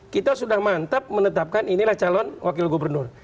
kita sudah mantap menetapkan inilah calon wakil gubernur